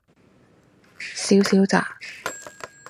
少少咋？